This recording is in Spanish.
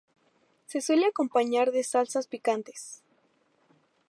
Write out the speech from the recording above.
Se suele acompañar de salsas picantes.